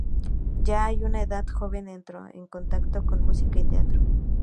Ya a una edad joven entró en contacto con música y teatro.